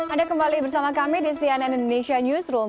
anda kembali bersama kami di cnn indonesia newsroom